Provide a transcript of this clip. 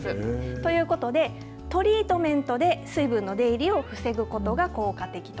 ということでトリートメントで水分の出入りを防ぐことが効果的と。